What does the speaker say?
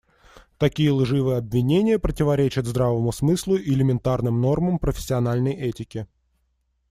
Такие лживые обвинения противоречат здравому смыслу и элементарным нормам профессиональной этики.